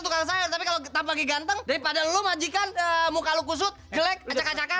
tukang sayur tapi kalau tanpa lagi ganteng daripada lu majikan muka lu kusut jelek acak acakan